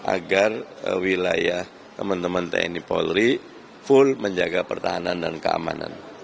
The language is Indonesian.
agar wilayah teman teman tni polri full menjaga pertahanan dan keamanan